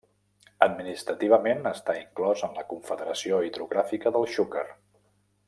Administrativament està inclòs en la Confederació Hidrogràfica del Xúquer.